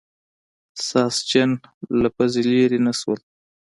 ساسچن له پوزې نه لرې نه شول.